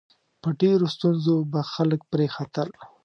په ډېرو ستونزو به خلک پرې ختل.